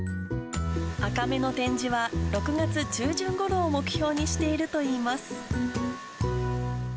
アカメの展示は６月中旬ごろを目標にしているといいます。